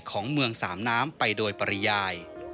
ของเมืองสามน้ำไปโดยปริยาย